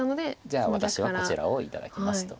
「じゃあ私はこちらを頂きます」と。